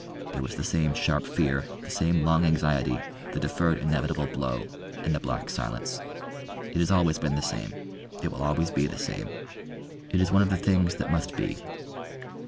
There was the same sharp fear, the same long anxiety, the deferred inevitable blow, and the black silence. It has always been the same; it will always be the same. It is one of the things that must be.